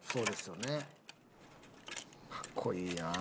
かっこいいなあ。